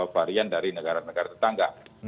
varian dari negara negara tetangga